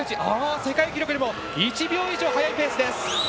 世界記録よりも１秒以上速いペースです！